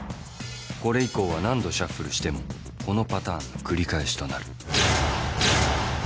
これ以降は何度シャッフルしてもこのパターンの繰り返しとなる。